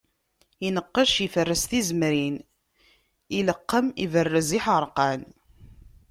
Ineqqec, iferres tizemrin, ileqqem, iberrez iḥerqan.